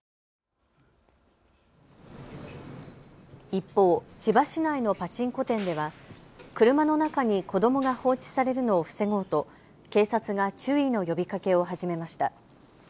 一方、千葉市内のパチンコ店では車の中に子どもが放置されるのを防ごうと警察が注意の呼びかけを始めました。